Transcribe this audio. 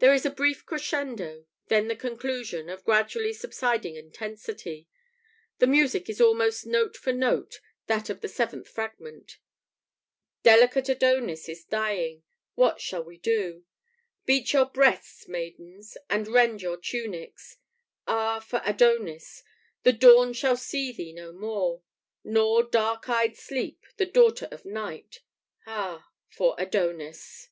There is a brief crescendo, then the conclusion, of gradually subsiding intensity. The music is almost note for note that of the seventh Fragment: "Delicate Adonis is dying; what shall we do? Beat your breasts, maidens, and rend your tunics! Ah, for Adonis! The Dawn shall see thee no more, Nor dark eyed Sleep, the daughter of Night, Ah, for Adonis!"